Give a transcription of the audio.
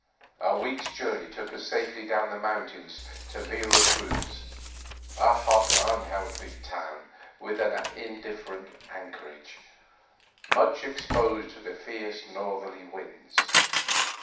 A week's journey took us safely down the mountains to Vera Cruz, a hot unhealthy town with an indifferent anchorage, much exposed to the fierce northerly winds.